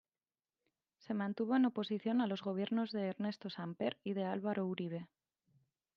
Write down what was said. Se mantuvo en oposición a los gobiernos de Ernesto Samper y de Álvaro Uribe.